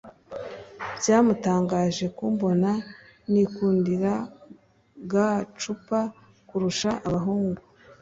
Byamutangaje kumbona nikundira gagcupa kurusha abahungu